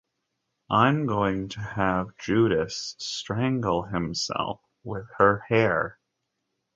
I'm going to have Judas strangle himself with her hair.